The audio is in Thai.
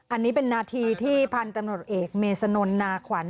อันนี้เป็นนาทีที่พันธุ์ตำรวจเอกเมษนนนาขวัญ